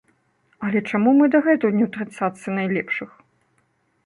Але чаму мы дагэтуль не ў трыццатцы найлепшых?